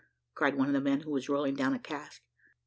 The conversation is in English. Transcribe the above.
cried one of the men who was rolling down a cask.